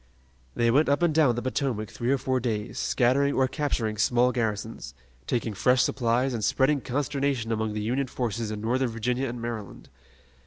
They went up and down the Potomac three or four days, scattering or capturing small garrisons, taking fresh supplies and spreading consternation among the Union forces in Northern Virginia and Maryland.